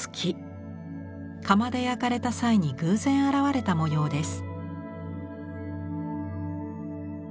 窯で焼かれた際に偶然現れた模様です。